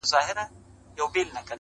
په دلیل او په منطق چي نه پوهېږي -